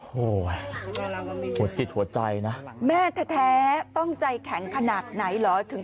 โอ้โหหัวจิตหัวใจนะแม่แท้ต้องใจแข็งขนาดไหนเหรอถึง